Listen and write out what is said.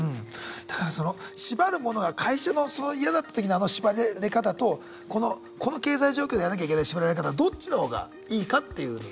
だからその縛るものが会社のその嫌だった時のあの縛られ方とこの経済状況でやんなきゃいけない縛られ方どっちの方がいいかっていうので。